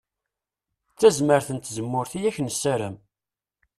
D tazmert n tzemmurt i ak-nessaram.